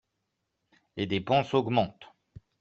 Les dépenses augmentent